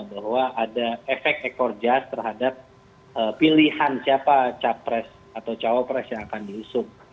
bahwa ada efek ekor jas terhadap pilihan siapa capres atau cawapres yang akan diusung